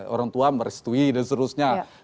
orang tua merestui dan seterusnya